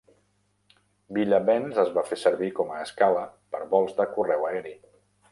Villa Bens es va fer servir com a escala per vols de correu aeri.